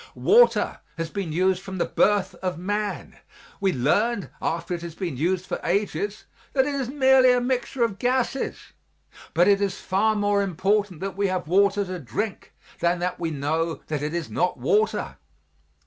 Water has been used from the birth of man; we learned after it had been used for ages that it is merely a mixture of gases, but it is far more important that we have water to drink than that we know that it is not water.